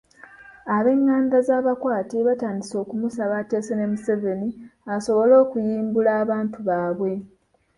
Abenganda z'abakwate batandise okumusaba ateese ne Museveni asobole okuyimbula abantu baabwe.